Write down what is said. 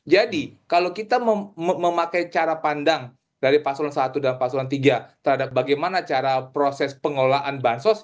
jadi kalau kita memakai cara pandang dari pasulun i dan pasulun iii terhadap bagaimana cara proses pengelolaan bansos